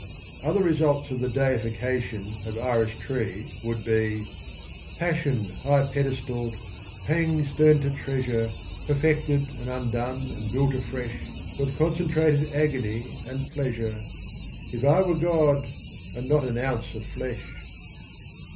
Other results of the deification of Iris Tree would be : Passion high pedestalled, pangs turned to treasure, Perfected and undone and built afresh With concentrated agony and Pleasure If I were God, and not an ounce of flesh